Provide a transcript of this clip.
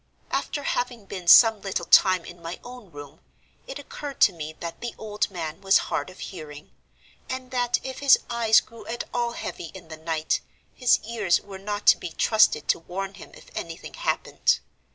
After having been some little time in my own room, it occurred to me that the old man was hard of hearing, and that if his eyes grew at all heavy in the night, his ears were not to be trusted to warn him if anything happened.